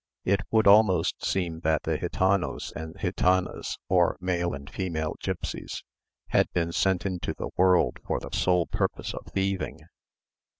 It would almost seem that the Gitanos and Gitanas, or male and female gipsies, had been sent into the world for the sole purpose of thieving.